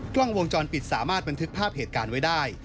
กล้องวงจรปิดสามารถบันทึกภาพเหตุการณ์ไว้ได้